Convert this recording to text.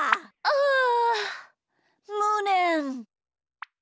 あむねん！